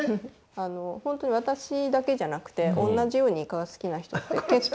あの本当に私だけじゃなくておんなじようにイカが好きな人って結構いるんですよ。